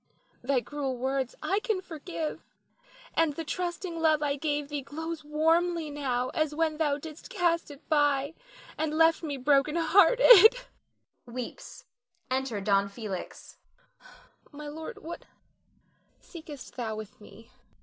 Thy cruel words I can forgive, and the trusting love I gave thee glows as warmly now as when thou didst cast it by and left me broken hearted [weeps; enter Don Felix]. My lord, what seekest thou with me?